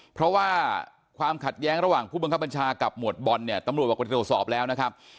เพราะว่าความขัดแย้งระหว่างผู้บังคับบัญชากับหมวดบอลเนี่ยตำรวจบอกไปตรวจสอบแล้วนะครับ